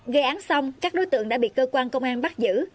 gây án xong các đối tượng đã bị cơ quan công an bắt giữ